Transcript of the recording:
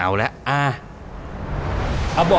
เอาแล้ว